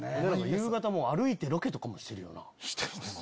夕方歩いてロケとかもしてるよな。